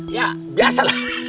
ya biasa lah